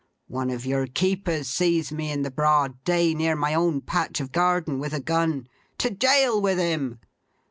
One of your keepers sees me in the broad day, near my own patch of garden, with a gun. To jail with him!